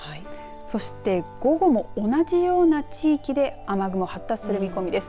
そして、午後も同じような地域で雨雲発達する見込みです。